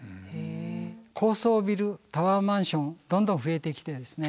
高層ビルタワーマンションどんどん増えてきてですね